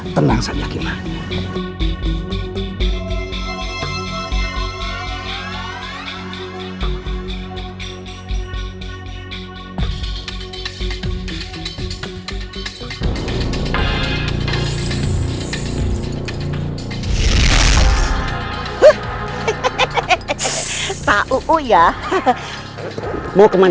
tenang saja ki bahadur